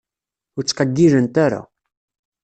Ur ttqeyyilent ara.